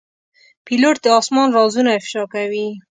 پیلوټ د آسمان رازونه افشا کوي.